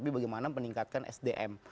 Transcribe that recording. bagaimana meningkatkan sdm